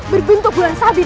berbentuk bulan sabit